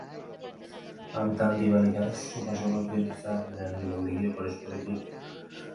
আনতাঙ্গী বালিকার শোভাসৌভাগ্যের সার নয়নযুগল না দেখিয়া পরস্পরে তাই কি বিরহভরে হয়েছে চঞ্চল?